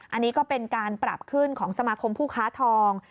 อันนี้ก็เป็นการปรับขึ้นของสมาคมผู้ค้าทอง